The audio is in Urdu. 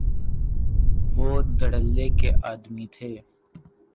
وہ دھڑلے کے آدمی تھے۔